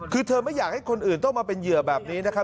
คือเธอไม่อยากให้คนอื่นต้องมาเป็นเหยื่อแบบนี้นะครับ